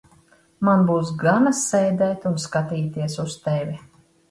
Man būs gana sēdēt un skatīties uz tevi.